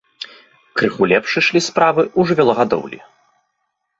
Крыху лепш ішлі справы ў жывёлагадоўлі.